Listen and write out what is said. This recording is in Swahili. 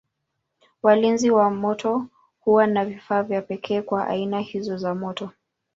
Walinzi wa moto huwa na vifaa vya pekee kwa aina hizi za moto.